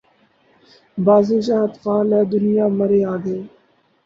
بازیچۂ اطفال ہے دنیا مرے آگے